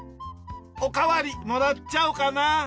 おかわりもらっちゃおうかな。